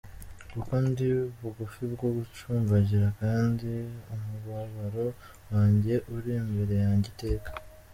Kuko ndi bugufi bwo gucumbagira, Kandi umubabaro wanjye uri imbere yanjye iteka.